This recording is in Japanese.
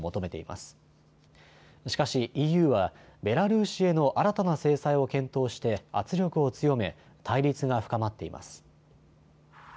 しかしＥＵはベラルーシへの新たな制裁を検討して圧力を強め対立が深まっています。